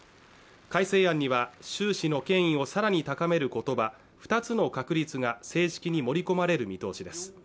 改正案には習氏の権威をさらに高める言葉二つの確立が正式に盛り込まれる見通しです